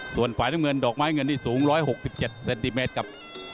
ส่วนฝ่ายน้ำเงินดอกไม้เงินนี่สูง๑๖๗เซนติเมตรครับ